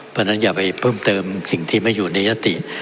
เพราะฉะนั้นอย่าไปเพิ่มเติมสิ่งที่ไม่อยู่ในยติ